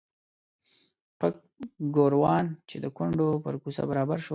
پک ګوروان چې د کونډو پر کوڅه برابر شو.